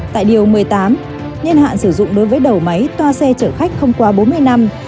tại điều một mươi tám niên hạn sử dụng đối với đầu máy toa xe chở khách không quá bốn mươi năm